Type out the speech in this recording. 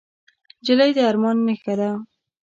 نجلۍ د ارمان نښه ده.